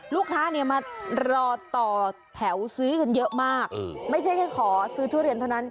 ลูกค้าเนี่ยมารอต่อแถวซื้อกันเยอะมากไม่ใช่แค่ขอซื้อทุเรียนเท่านั้น